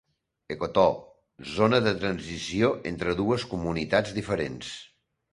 Ecotò: Zona de transició entre dues comunitats diferents.